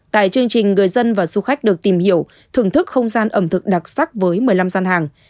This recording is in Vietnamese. tại chương trình người dân và du khách được tìm hiểu thưởng thức không gian ẩm thực đặc sắc với một mươi năm gian hàng